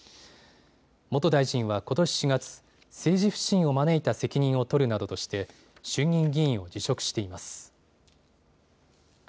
元大臣はことし４月、政治不信を招いた責任を取るなどとして衆議院議員を辞職しています。